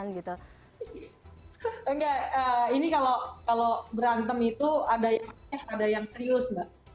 enggak ini kalo berantem itu ada yang cengih ada yang serius sih